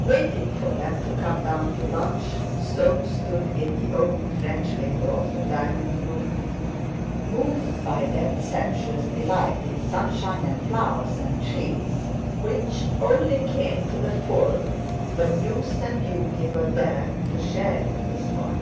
Waiting for them to come down to lunch, Soames stood in the open french window of the diningroom moved by that sensuous delight in sunshine and flowers and trees which only came to the full when youth and beauty were there to share it with one.